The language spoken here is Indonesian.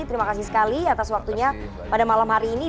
terima kasih sekali atas waktunya pada malam hari ini